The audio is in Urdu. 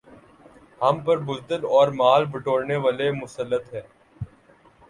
ہم پر بزدل اور مال بٹورنے والے مسلط ہیں